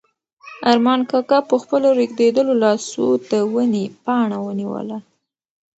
ارمان کاکا په خپلو رېږدېدلو لاسو د ونې پاڼه ونیوله.